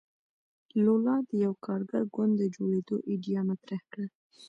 لولا د یوه کارګر ګوند د جوړېدو ایډیا مطرح کړه.